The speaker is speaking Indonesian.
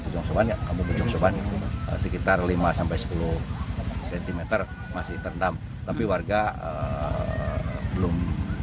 pujung soban ya kamu pujung soban sekitar lima sepuluh cm masih terendam tapi warga belum